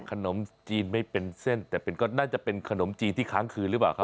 ขนมจีนไม่เป็นเส้นแต่ก็น่าจะเป็นขนมจีนที่ค้างคืนหรือเปล่าครับ